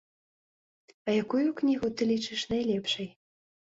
А якую кнігу ты лічыш найлепшай?